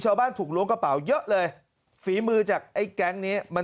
ชาวบ้านถูกล้วงกระเป๋าเยอะเลยฝีมือจากไอ้แก๊งนี้มัน